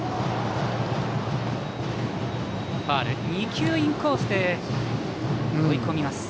２球、インコースで追い込みます。